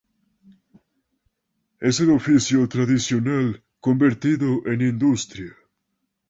Es el oficio tradicional convertido en industria.